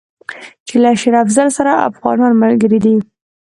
چې له شېر افضل سره افغانان ملګري دي.